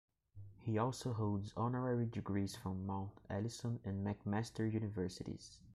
He also holds honorary degrees from Mount Allison and McMaster universities.